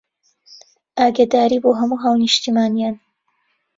ئاگاداری بۆ هەموو هاونیشتمانیان